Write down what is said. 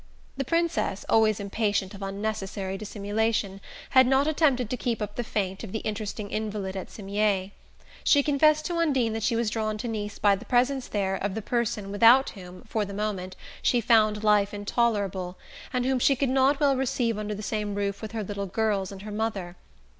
The Princess, always impatient of unnecessary dissimulation, had not attempted to keep up the feint of the interesting invalid at Cimiez. She confessed to Undine that she was drawn to Nice by the presence there of the person without whom, for the moment, she found life intolerable, and whom she could not well receive under the same roof with her little girls and her mother.